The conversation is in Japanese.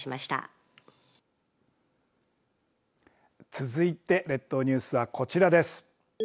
続いて列島ニュースはこちらです。